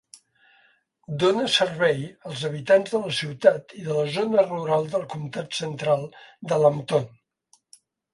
Dóna servei als habitants de la ciutat i de la zona rural del comtat central de Lambton.